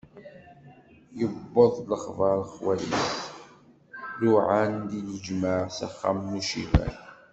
Yewweḍ lexbar xwal-is, luɛan-d i lejmaɛ s axxam n uciban.